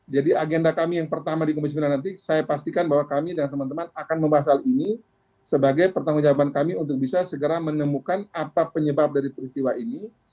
jadi agenda kami yang pertama di komisi sembilan nanti saya pastikan bahwa kami dan teman teman akan membahas hal ini sebagai pertanggung jawaban kami untuk bisa segera menemukan apa penyebab dari peristiwa ini